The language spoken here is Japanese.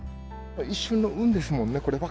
一瞬の運ですもんね、これば